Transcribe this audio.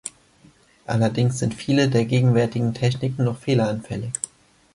Allerdings sind viele der gegenwärtigen Techniken noch fehleranfällig.